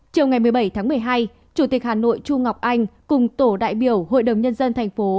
chiều ngày một mươi bảy tháng một mươi hai chủ tịch hà nội chu ngọc anh cùng tổ đại biểu hội đồng nhân dân thành phố